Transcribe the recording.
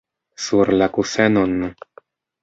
Sur la kusenon!